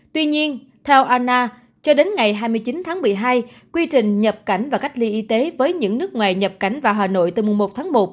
tuy nhiên theo anna cho đến ngày hai mươi chín tháng một mươi hai quy trình nhập cảnh và cách ly y tế với những nước ngoài nhập cảnh vào hà nội từ mùng một tháng một